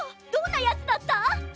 どんなヤツだった？